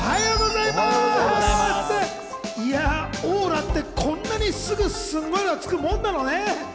いや、オーラってこんなにすぐ、すごいのがつくもんなのね。